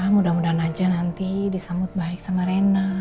mudah mudahan aja nanti disambut baik sama rena